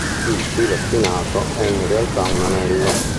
Il filo spinato è in realtà un anello.